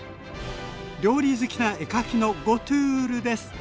料理好きな絵描きのゴトゥールです。